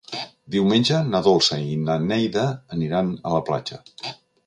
Diumenge na Dolça i na Neida aniran a la platja.